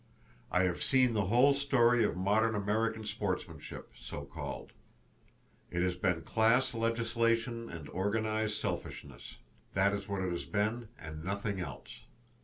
I have seen the whole story of modern American sportsmanship, so called. It has been class legislation and organized selfishness—that is what it has been, and nothing else.